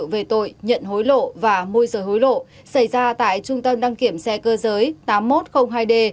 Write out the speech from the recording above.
về tội nhận hối lộ và môi rời hối lộ xảy ra tại trung tâm đăng kiểm xe cơ giới tám nghìn một trăm linh hai d